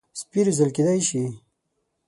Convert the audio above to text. سپي روزل کېدای شي.